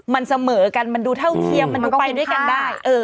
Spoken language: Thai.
มันเสมอกันมันดูเท่าเทียมมันดูไปด้วยกันได้